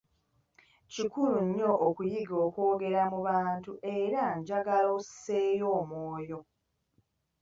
Kikulu nnyo okuyiga okwogera mu bantu era njagala osseeyo omwoyo.